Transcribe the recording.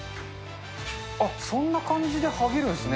あっ、そんな感じではげるんですね。